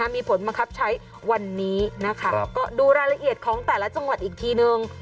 มีผลบังคับใช้วันนี้นะคะก็ดูรายละเอียดของแต่ละจังหวัดอีกทีนึง